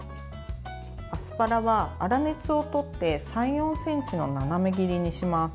アスパラは粗熱をとって３４ｃｍの斜め切りにします。